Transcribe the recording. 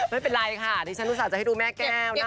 ไม่เป็นไรค่ะนี่ฉันรู้สึกจะให้ดูแม่แก้ว